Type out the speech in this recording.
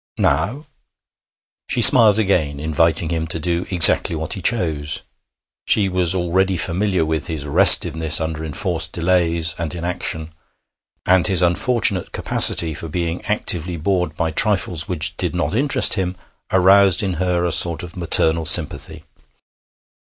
'Now?' She smiled again, inviting him to do exactly what he chose. She was already familiar with his restiveness under enforced delays and inaction, and his unfortunate capacity for being actively bored by trifles which did not interest him aroused in her a sort of maternal sympathy.